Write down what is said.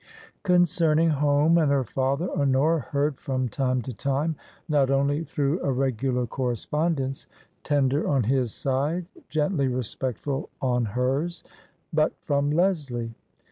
Concerning home and her father Honora heard from time to time, not only through a regular correspond ence — tender on his side, gently respectful on hers — but from Leslie.